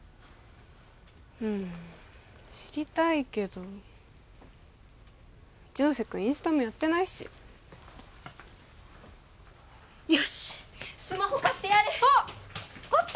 うん知りたいけど一ノ瀬君インスタもやってないしよしっスマホ買ってやれあっ！